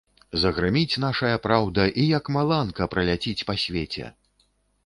Загрыміць нашая праўда і, як маланка, праляціць па свеце!